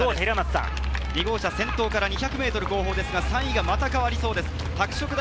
２号車先頭から２００ｍ後方ですが、また３位が変わりそうです。